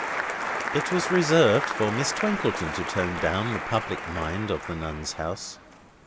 It was reserved for Miss Twinkleton to tone down the public mind of the Nuns' House.